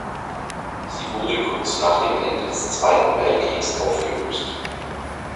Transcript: Sie wurde kurz nach dem Ende des Zweiten Weltkriegs aufgelöst.